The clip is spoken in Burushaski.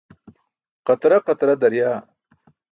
Qatra qatra daryaa.